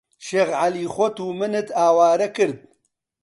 شێخ عەلی خۆت و منت ئاوارە کرد